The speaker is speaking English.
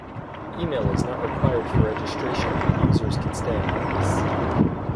Email is not required for registration and users can stay anonymous.